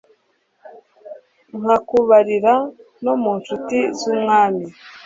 nkakubarira no mu ncuti z'umwami